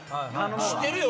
知ってるよ？